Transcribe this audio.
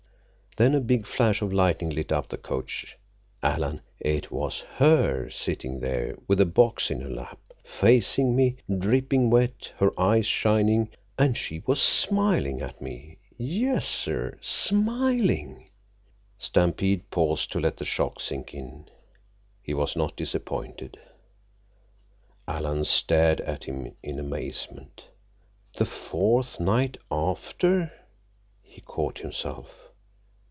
Then a big flash of lightning lit up the coach. Alan, it was her sittin' there with a box in her lap, facing me, drippin' wet, her eyes shining—and she was smiling at me! Yessir, smiling." Stampede paused to let the shock sink in. He was not disappointed. Alan stared at him in amazement. "The fourth night—after—" He caught himself.